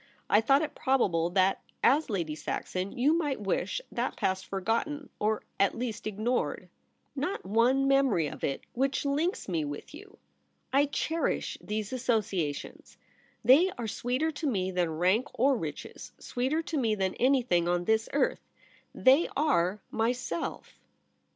I thought it probable that, as Lady Saxon, you might wish that past forgotten — or at least ignored.' * Not one memory of it which links me with you. I cherish these associations ; they are sweeter to me than rank or riches — sweeter to me than anything on this earth. They are myself.'